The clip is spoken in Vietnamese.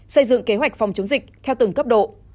xây dựng kế hoạch phòng chống dịch theo từng cấp độ